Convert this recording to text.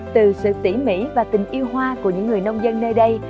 từ sự tỉ mỉ và tình yêu hoa của những người nông dân nơi đây